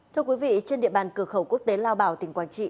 thưa quý vị trên địa bàn cửa khẩu quốc tế lao bảo tỉnh quảng trị